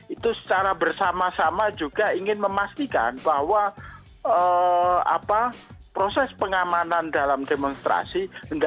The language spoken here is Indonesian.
itu secara bersama sama juga ingin memastikan bahwa proses pengamanan dalam demonstrasi